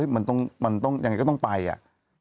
ยังไงก็ต้องไปอะ